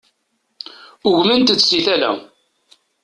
Ugment-d si tala.